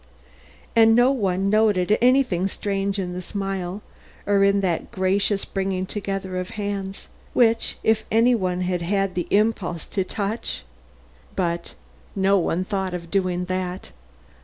And no one noted anything strange in that smile or in that gracious bringing together of hands, which if any one had had the impulse to touch But no one thought of doing that.